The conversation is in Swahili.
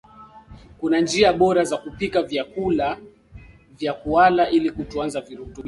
kuna njia bora za kupika vyakuala ili kutunzaa virutubisho